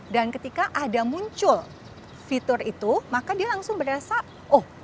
dan ketika ada muncul fitur itu maka dia langsung merasa oh